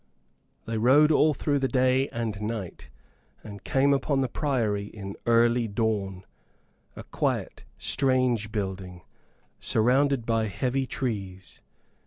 They rode all through the day and night, and came upon the Priory in early dawn a quaint, strange building, surrounded by heavy trees.